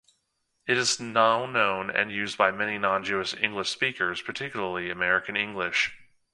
It is now known and used by many non-Jewish English speakers, particularly American English.